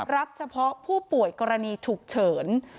รับเฉพาะผู้ป่วยกรณีฉุกเฉิน